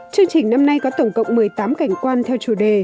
chương trình năm nay có tổng cộng một mươi tám cảnh quan theo chủ đề